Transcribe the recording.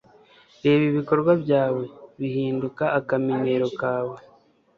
Reba ibikorwa byawe, bihinduka akamenyero kawe.